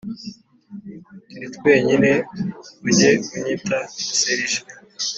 turi twenyine ujye unyita serge